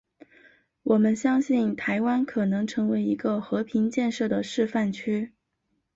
我们相信台湾可能成为一个和平建设的示范区。